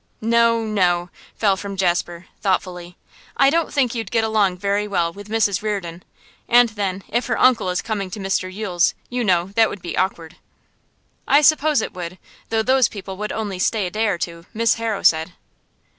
'No, no,' fell from Jasper, thoughtfully. 'I don't think you'd get along very well with Mrs Reardon; and then, if her uncle is coming to Mr Yule's, you know, that would be awkward.' 'I suppose it would; though those people would only stay a day or two, Miss Harrow said.